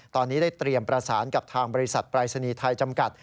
ตอนนี้ได้เตรียมประสานกับทางบริษัทปรายศนีย์ไทยจำกัด